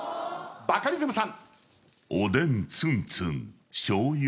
バカリズムさん。